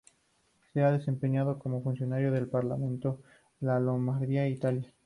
Se ha desempeñado como funcionario en el Parlamento de Lombardía, Italia.